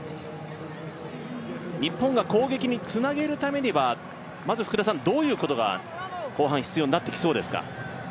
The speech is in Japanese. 日本が攻撃につなげるためには、まずどういうことが後半、必要になってきそうですか？